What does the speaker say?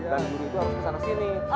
dan juri itu harus kesana sini